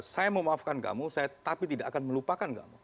saya memaafkan kamu saya tapi tidak akan melupakan kamu